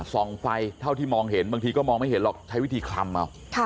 ส่องไฟเท่าที่มองเห็นบางทีก็มองไม่เห็นหรอกใช้วิธีคลำเอา